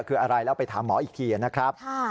คืออะไรแล้วไปถามหมออีกทีนะครับ